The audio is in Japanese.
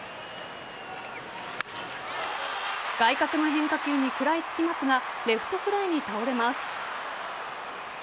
外角の変化球に食らいつきますがレフトフライに倒れます。